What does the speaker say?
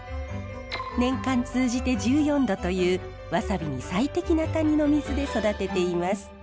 年間通じて１４度というワサビに最適な谷の水で育てています。